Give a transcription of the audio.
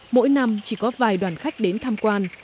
mỗi năm chỉ có vài đoàn khách đến tham quan